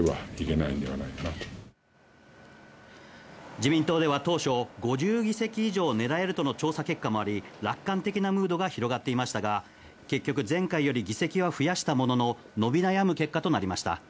自民党では当初５０議席以上を狙えるとの調査結果もあり楽観的なムードが広がっていましたがしかし結局前回より議席は増やしたものの伸び悩む結果となりました。